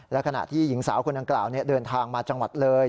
และขณะที่หญิงสาวคนดังกล่าวเดินทางมาจังหวัดเลย